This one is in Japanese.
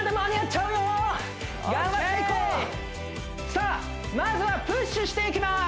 さあまずはプッシュしていきます